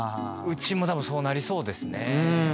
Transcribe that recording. うちもたぶんそうなりそうですね。